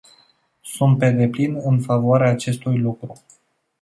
Sunt pe deplin în favoarea acestui lucru.